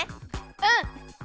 うん。